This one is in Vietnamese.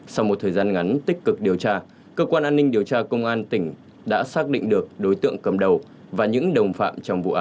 sau một thời gian ngắn tích cực điều tra cơ quan an ninh điều tra công an tỉnh đã xác định được đối tượng cầm đầu và những đồng phạm trong vụ án